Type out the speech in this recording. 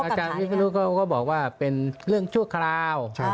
อาจารย์วิศนุเขาก็บอกว่าเป็นเรื่องชั่วคราว